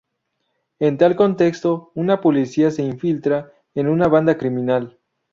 En tal contexto, un policía se infiltra en una banda criminal.